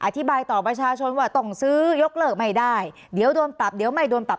อธิบายต่อประชาชนว่าต้องซื้อยกเลิกไม่ได้เดี๋ยวโดนปรับเดี๋ยวไม่โดนปรับ